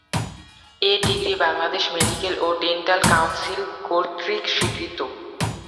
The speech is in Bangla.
এ ডিগ্রি বাংলাদেশ মেডিকেল ও ডেন্টাল কাউন্সিল কর্তৃক স্বীকৃত।